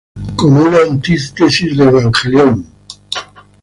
Como una antítesis de "Evangelion"".